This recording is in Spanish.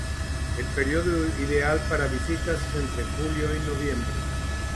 El período ideal para visitas es entre julio y noviembre.